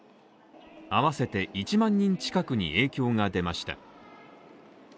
合わせて１万人近くに影響が出ました。